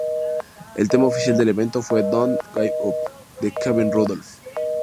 El tema oficial del evento fue ""Don't Give Up"" de Kevin Rudolf.